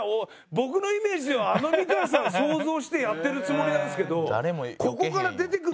僕のイメージではあの美川さん想像してやってるつもりなんですけど。